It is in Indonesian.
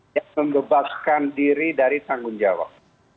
yang membebaskan diri dari tanggung jawab